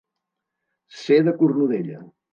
Ser de Cornudella.